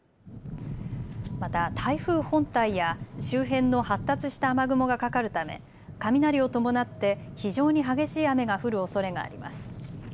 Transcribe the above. また台風本体や周辺の発達した雨雲がかかるため雷を伴って非常に激しい雨が降るおそれがあります。